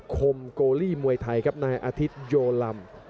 คมโกลีมวยไทยครับนายอาทิตโยลำ